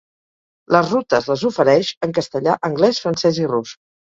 Les rutes les ofereix en castellà, anglès, francès i rus.